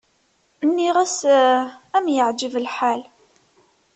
Nniɣ-as am yeεǧeb lḥal.